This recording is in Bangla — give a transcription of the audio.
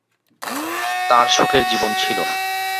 তাঁর সুখের জীবন ছিল না।